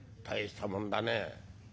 たいしたもんだね。